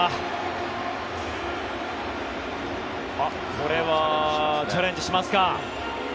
これはチャレンジしますか。